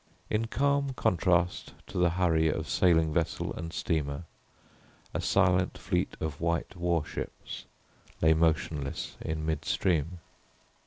In calm contrast to the hurry of sailing vessel and steamer a silent fleet of white warships lay motionless in midstream.